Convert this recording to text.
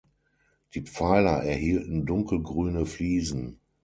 Die Pfeiler erhielten dunkelgrüne Fliesen.